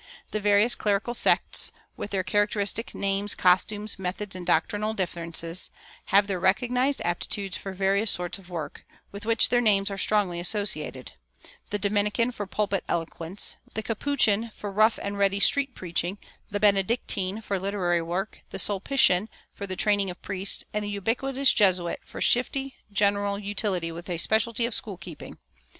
The various clerical sects, with their characteristic names, costumes, methods, and doctrinal differences, have their recognized aptitudes for various sorts of work, with which their names are strongly associated: the Dominican for pulpit eloquence, the Capuchin for rough and ready street preaching, the Benedictine for literary work, the Sulpitian for the training of priests, and the ubiquitous Jesuit for shifty general utility with a specialty of school keeping.